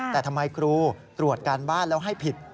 แต่ทำไมครูตรวจการบ้านแล้วให้ผิด